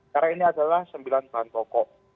karena ini adalah sembilan tuan pokok